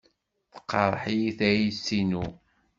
Teqreḥ-iyi tayet-inu.